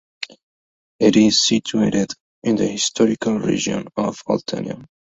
It is situated in the historical region of Oltenia.